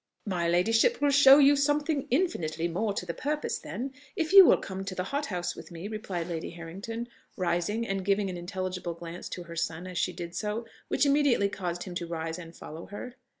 "My ladyship will show you something infinitely more to the purpose, then, if you will come to the hothouse with me," replied Lady Harrington, rising, and giving an intelligible glance to her son as she did so, which immediately caused him to rise and follow her.